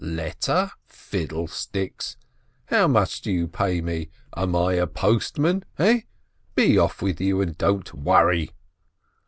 Letter? Fiddlesticks! How much do you pay me ? Am I a postman ? Eh ? Be off with you, and don't worry."